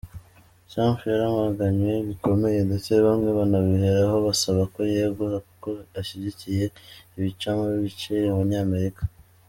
Trump yaramaganywe bikomeye ndetse bamwe banabiheraho basaba ko yegura kuko ashyigikiye ibicamo ibice abanyamerika.